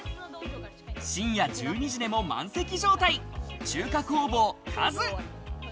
深夜１２時でも満席状態、「中華工房和」。